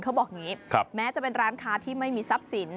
เขาบอกอย่างนี้แม้จะเป็นร้านค้าที่ไม่มีทรัพย์สิน